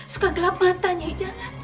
suka gelap mata nyai jangan